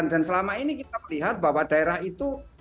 dan selama ini kita melihat bahwa daerah itu